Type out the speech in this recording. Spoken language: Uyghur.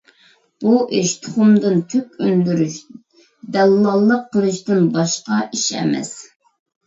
بۇ ئىش تۇخۇمدىن تۈك ئۈندۈرۈش، دەللاللىق قىلىشتىن باشقا ئىش ئەمەس.